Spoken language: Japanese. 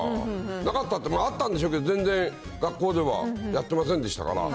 なかったって、あったんでしょうけど、全然学校ではやってませんでしたから。